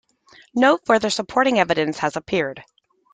No further supporting evidence has appeared.